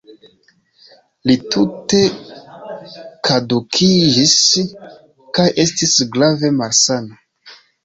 Li tute kadukiĝis kaj estis grave malsana.